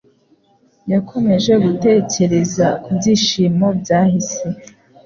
Yakomeje gutekereza kubyishimo byahise.